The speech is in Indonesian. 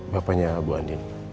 bapaknya bu andin